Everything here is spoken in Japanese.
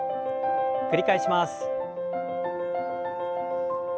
繰り返します。